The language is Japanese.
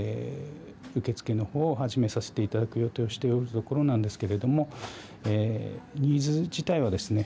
受け付けのほうを始めさせていただこうとしているところなんですけどニーズ自体はですね。